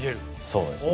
そうですね。